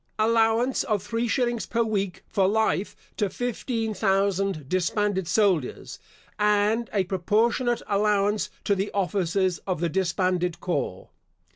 Allowance of three shillings per week for life to fifteen thousand disbanded soldiers, and a proportionate allowance to the officers of the disbanded corps.